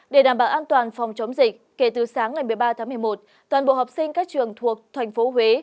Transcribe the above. để đảm bảo an toàn phòng chống dịch kể từ sáng ngày một mươi ba tháng một mươi một toàn bộ học sinh các trường thuộc thành phố huế